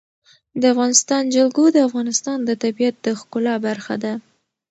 د افغانستان جلکو د افغانستان د طبیعت د ښکلا برخه ده.